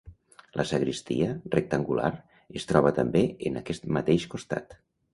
La sagristia, rectangular, es troba també en aquest mateix costat.